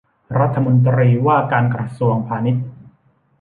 รัฐมนตรีว่าการกระทรวงพาณิชย์